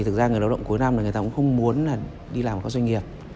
thực ra người lao động cuối năm là người ta cũng không muốn đi làm các doanh nghiệp